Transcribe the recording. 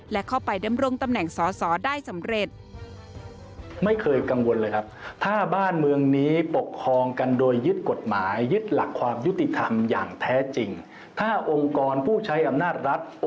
และเข้าไปดำรงตำแหน่งสอสอได้สำเร็จ